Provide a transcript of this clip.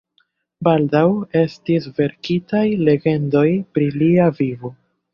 Baldaŭ estis verkitaj legendoj pri lia vivo.